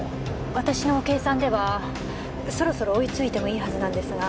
私の計算ではそろそろ追いついてもいいはずなんですが。